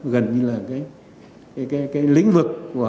gần như là cái lĩnh vực